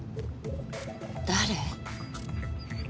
誰？